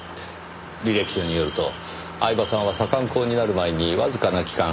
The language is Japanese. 履歴書によると饗庭さんは左官工になる前にわずかな期間